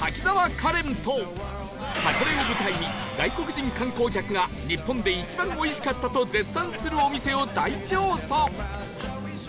カレンと箱根を舞台に外国人観光客が日本で一番美味しかったと絶賛するお店を大調査